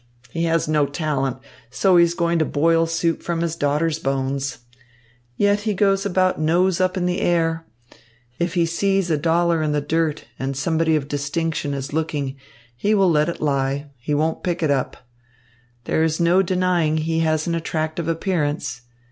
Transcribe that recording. He has no talent, so he is going to boil soup from his daughter's bones. Yet he goes about nose up in the air. If he sees a dollar in the dirt and somebody of distinction is looking, he will let it lie. He won't pick it up. There is no denying he has an attractive appearance.